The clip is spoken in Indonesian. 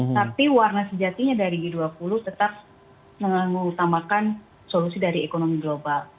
tapi warna sejatinya dari g dua puluh tetap mengutamakan solusi dari ekonomi global